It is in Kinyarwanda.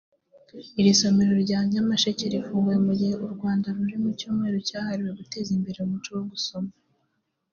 Iri somero rya Nyamasheke rifunguwe mu gihe u Rwanda ruri mu Cyumweru cyahariwe guteza imbere umuco wo gusoma